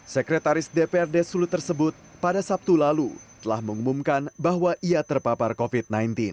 sekretaris dprd sulut tersebut pada sabtu lalu telah mengumumkan bahwa ia terpapar covid sembilan belas